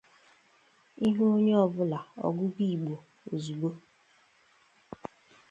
ị hụ onye ọbụla ọ gụba Igbo ozigbo